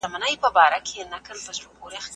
یو ښه ټولنپوه د ډاکټر په شان دی.